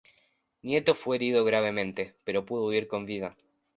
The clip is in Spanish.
Nieto fue herido gravemente, pero pudo huir con vida.